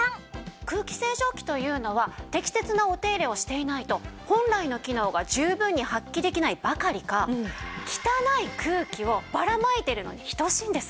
空気清浄機というのは適切なお手入れをしていないと本来の機能が十分に発揮できないばかりか汚い空気をばらまいてるのに等しいんです。